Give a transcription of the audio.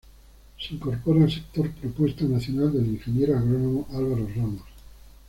Se incorpora al sector Propuesta Nacional del ingeniero agrónomo Álvaro Ramos.